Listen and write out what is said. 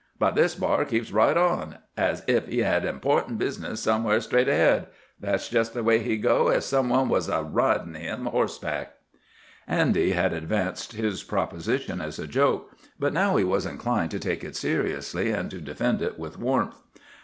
But this b'ar keeps right on, as ef he had important business somewhere straight ahead. That's just the way he'd go ef some one was a ridin' him horseback." Andy had advanced his proposition as a joke, but now he was inclined to take it seriously and to defend it with warmth.